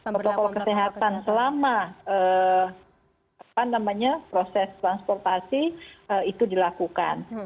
pokok pokok kesehatan selama proses transportasi itu dilakukan